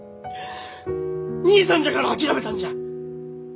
兄さんじゃから諦めたんじゃ。